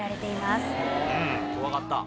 怖かった。